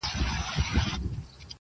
بادیزی قوم ډیر دغیږو پهلوانان لری.